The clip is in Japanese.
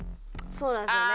そうなんですよね。